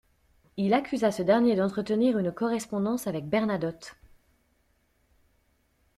Il accusa ce dernier d'entretenir une correspondance avec Bernadotte.